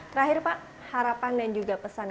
terakhir pak harapan dan juga pesan